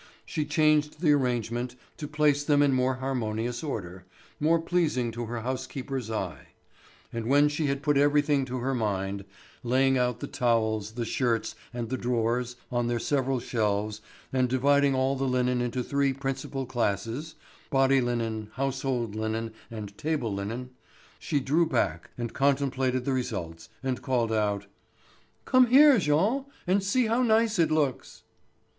She changed the arrangement to place them in more harmonious order, more pleasing to her housekeeper's eye; and when she had put everything to her mind, laying out the towels, the shirts, and the drawers on their several shelves and dividing all the linen into three principal classes, body linen, household linen, and table linen, she drew back and contemplated the results, and called out: "Come here, Jean, and see how nice it looks."